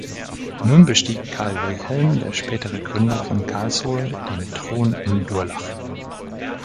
Nun bestieg Karl Wilhelm, der spätere Gründer von Karlsruhe, den Thron in Durlach.